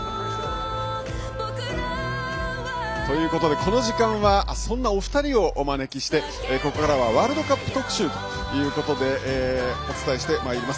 この時間はそんなお二人をお招きしてここからはワールドカップ特集ということでお伝えしてまいります。